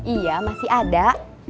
iya masih ada